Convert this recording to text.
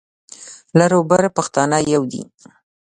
لر او بر پښتانه يو دي.